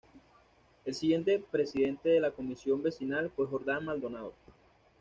El siguiente presidente de la Comisión Vecinal fue Jordán Maldonado.